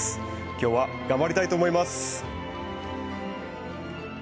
今日は頑張りたいと思います。